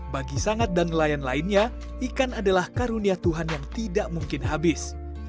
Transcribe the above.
bagi sangat dan nelayan lainnya ikan adalah karunia tuhan yang tidak mungkin habis